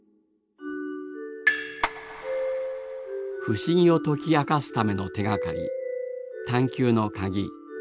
不思議を解き明かすための手がかり